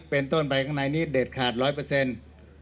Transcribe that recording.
เป็นต้นไปข้างในนี้เด็ดขาดร้อยเปอร์เซ็นต์